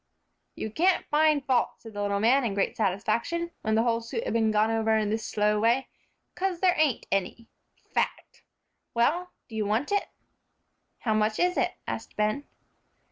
"You can't find fault," said the little man, in great satisfaction, when the whole suit had been gone over in this slow way, "'cause there ain't any. Fact! Well, do you want it?" "How much is it?" asked Ben.